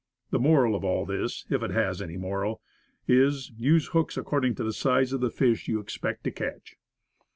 The moral of all this if it has any moral is, use hooks accord ing to the size of fish you expect to catch.